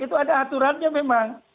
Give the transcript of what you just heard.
itu ada aturannya memang